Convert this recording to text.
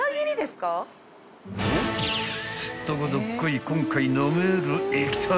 ［すっとこどっこい今回飲める液体？］